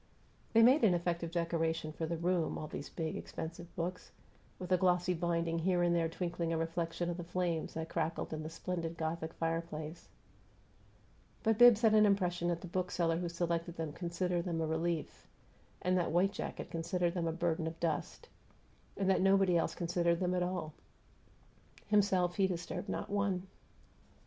They made an effective decoration for the room, all these big, expensive books, with a glossy binding here and there twinkling a reflection of the flames that crackled in the splendid Gothic fireplace; but Bibbs had an impression that the bookseller who selected them considered them a relief, and that white jacket considered them a burden of dust, and that nobody else considered them at all. Himself, he disturbed not one.